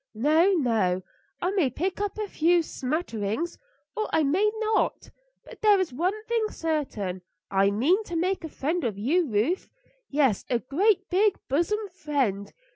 No, no; I may pick up a few smatterings, or I may not, but there is one thing certain: I mean to make a friend of you, Ruth yes, a great big bosom friend.